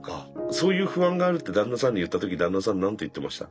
そういう不安があるって旦那さんに言った時旦那さん何て言ってました？